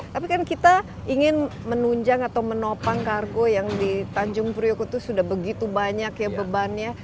tapi kan kita ingin menunjang atau menopang kargo yang di tanjung priok itu sudah begitu banyak ya bebannya